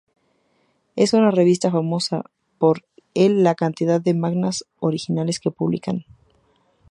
Es una revista famosa por el la cantidad de mangas originales que publican.